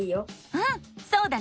うんそうだね。